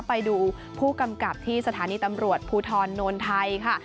ไปดูผู้กำกับที่สถานีตำรวจภูทรโนนไทยค่ะ